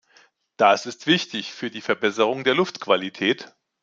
Das ist wichtig für die Verbesserung der Luftqualität.